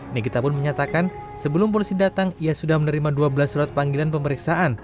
nikita pun menyatakan sebelum polisi datang ia sudah menerima dua belas surat panggilan pemeriksaan